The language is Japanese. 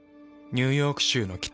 ニューヨーク州の北。